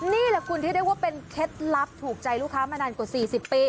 นี่แหละคุณที่เรียกว่าเป็นเคล็ดลับถูกใจลูกค้ามานานกว่า๔๐ปี